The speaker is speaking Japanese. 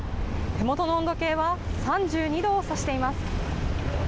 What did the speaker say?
手元の温度計は３２度を指しています。